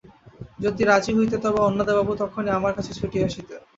যদি রাজি হইতে তবে অন্নদাবাবু তখনি আমার কাছে ছুটিয়া আসিতেন।